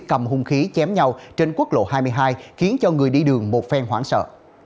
cầm hung khí chém nhau trên quốc lộ hai mươi hai khiến cho người đi đường bột phen hoảng sợ